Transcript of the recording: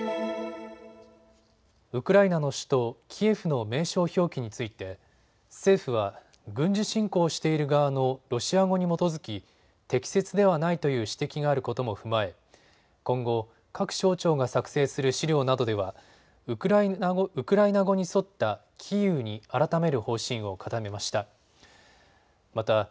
ウクライナの首都キエフの名称表記について政府は軍事侵攻している側のロシア語に基づき適切ではないという指摘があることも踏まえ今後、各省庁が作成する資料などではウクライナ語に沿ったキーウに改める方針を固めました。